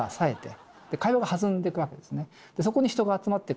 そこに人が集まってくる。